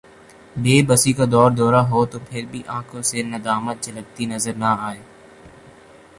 بے بسی کا دوردورہ ہو تو پھربھی آنکھوں سے ندامت جھلکتی نظر نہ آئے